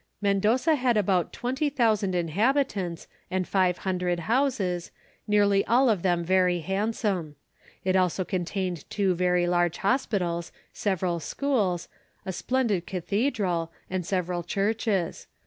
"Mendoza had about 20,000 inhabitants and five hundred houses, nearly all of them very handsome. It also contained two very large hospitals, several schools, a splendid cathedral, and several churches.